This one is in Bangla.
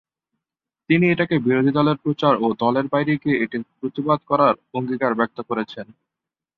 তিনি এটাকে বিরোধী দলের প্রচার ও দলের বাইরে গিয়ে এটির প্রতিবাদ করার অঙ্গীকার ব্যক্ত করেছেন।